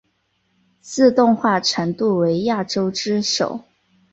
自动化程度为亚洲之首。